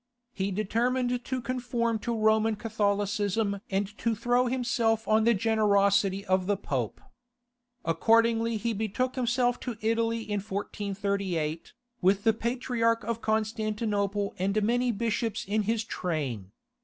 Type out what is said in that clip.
He determined to conform to Roman Catholicism and to throw himself on the generosity of the Pope. Accordingly he betook himself to Italy in 1438, with the Patriarch of Constantinople and many bishops in his train.